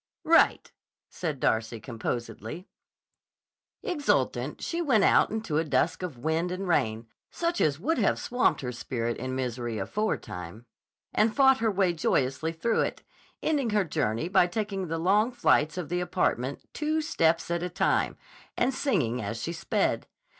"Right!" said Darcy, composedly. Exultant she went out into a dusk of wind and rain, such as would have swamped her spirit in misery aforetime, and fought her way joyously through it, ending her journey by taking the long flights of the apartment two steps at a time and singing as she sped.